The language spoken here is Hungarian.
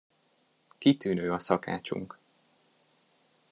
Kitűnő a szakácsunk.